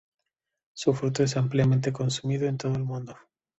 Su fruto es ampliamente consumido en todo el mundo.